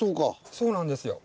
そうなんですよ。